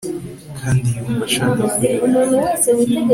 kandi yumva ashaka kurya